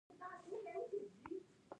په افغانستان کې هندوکش شتون لري.